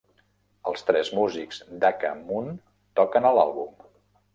Els tres músics d'Aka Moon toquen a l'àlbum.